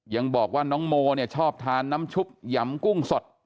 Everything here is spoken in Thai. ยังบอกว่าน้องโมเนี่ยชอบทานน้ำชุบหยำกุ้งสด